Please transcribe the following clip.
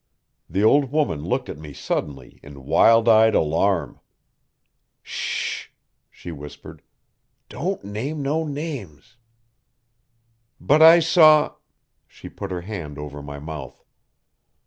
The old woman looked at me suddenly in wild eyed alarm. "S s h!" she whispered. "Don't name no names." "But I saw " She put her hand over my mouth.